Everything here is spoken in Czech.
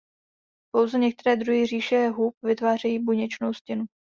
Pouze některé druhy říše hub vytvářejí buněčnou stěnu.